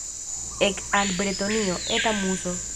Ek al Bretonio, Eta Muso!